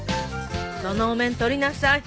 そのお面取りなさい。